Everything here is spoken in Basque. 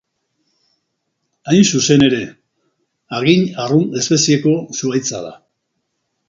Hain zuzen ere, hagin arrunt espezieko zuhaitza da.